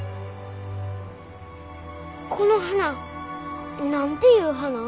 この花何ていう花？